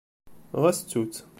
Ɣas ttu-tt.